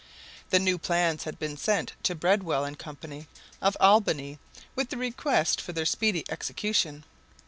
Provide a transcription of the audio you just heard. The new plans had been sent to Breadwill and Co., of Albany, with the request for their speedy execution.